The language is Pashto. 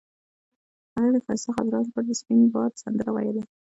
هغې د ښایسته خاطرو لپاره د سپین باد سندره ویله.